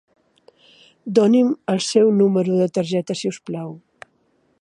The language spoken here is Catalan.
Doni'm el seu número de targeta, si us plau.